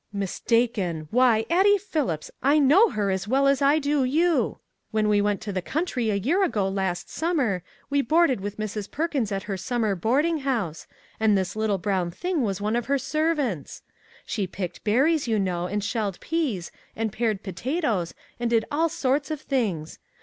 ' Mistaken !' Why, Addie Phillips, I know her as well as I do you. When we went to the country a year ago last summer, we boarded with Mrs. Per kins at her summer boarding house, and this MAG AND MARGARET little brown thing was one of her servants. She picked berries, you know, and shelled peas, and pared potatoes, and did all sorts of things.